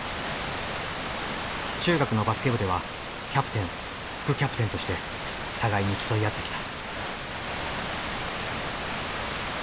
中学のバスケ部ではキャプテン副キャプテンとして互いに競い合ってきた。